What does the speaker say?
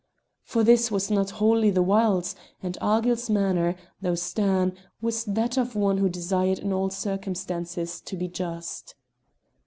For this was not wholly the wilds, and Argyll's manner, though stern, was that of one who desired in all circumstances to be just.